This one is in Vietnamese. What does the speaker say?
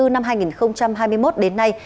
năm hai nghìn hai mươi một đến nay